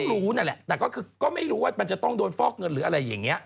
รู้นั่นแหละแต่ก็คือก็ไม่รู้ว่ามันจะต้องโดนฟอกเงินหรืออะไรอย่างนี้